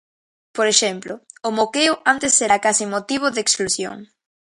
Por exemplo, o moqueo antes era case motivo de exclusión.